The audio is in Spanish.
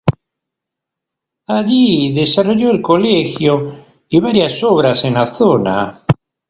Allí desarrolló el colegio y varias obras en la zona.